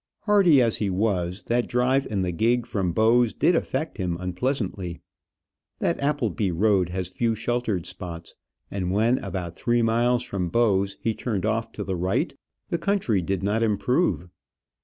Hardy as he was, that drive in the gig from Bowes did affect him unpleasantly. That Appleby road has few sheltered spots, and when about three miles from Bowes he turned off to the right, the country did not improve.